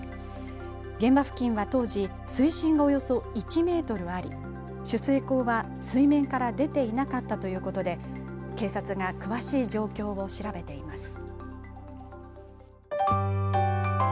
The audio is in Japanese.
現場付近は当時、水深がおよそ１メートルあり取水口は水面から出ていなかったということで警察が詳しい状況を調べています。